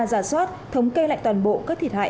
giả soát thống kê lại toàn bộ các thiệt hại